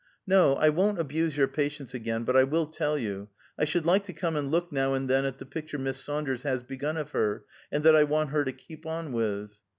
"No, I won't abuse your patience again, but I will tell you: I should like to come and look now and then at the picture Miss Saunders has begun of her, and that I want her to keep on with."